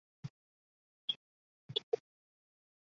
随后该公司出资对大楼进行修复。